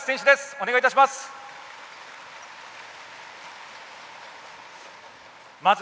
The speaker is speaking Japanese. お願いいたします。